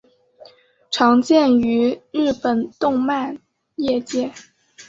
常见于日本动漫业界。